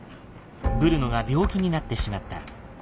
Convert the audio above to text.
ブルノが病気になってしまった。